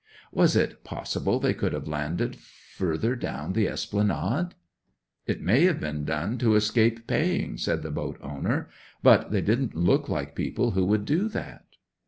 Was it possible they could have landed further down the Esplanade? '"It may have been done to escape paying," said the boat owner. "But they didn't look like people who would do that."